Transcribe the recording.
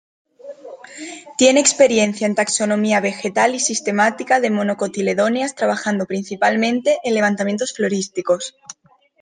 Tiene experiencia en taxonomía vegetal y sistemática de monocotiledóneas, trabajando principalmente en levantamientos florísticos.